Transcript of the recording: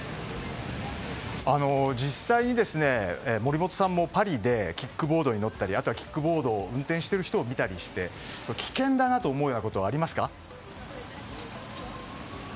実際に森元さんもパリでキックボードに乗ったりあとはキックボードを運転している人を見たりして危険だなと思うようなことはありますか？